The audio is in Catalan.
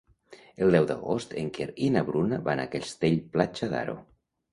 El deu d'agost en Quer i na Bruna van a Castell-Platja d'Aro.